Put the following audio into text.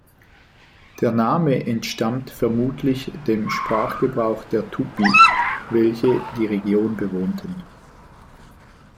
Der Name entstammt vermutlich dem Sprachgebrauch der Tupi, welche die Region bewohnten.